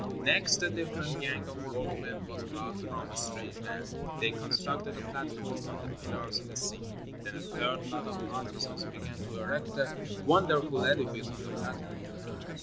Next, a different gang of workmen was brought from a strange land. They constructed a platform on the pillars in the sea. Then a third lot of artisans began to erect a wonderful edifice on the platform.